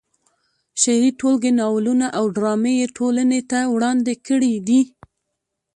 شعري ټولګې، ناولونه او ډرامې یې ټولنې ته وړاندې کړې دي.